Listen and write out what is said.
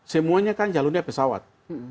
semuanya kan jalurnya pesawat